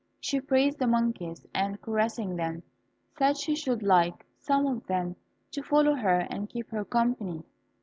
She praised the monkeys, and, caressing them, said she should like some of them to follow her and keep her company.